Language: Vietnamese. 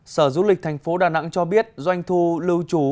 sở du lịch thành phố đà nẵng cho biết doanh thu lưu trú